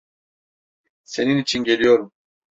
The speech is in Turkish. Senin için geliyorum.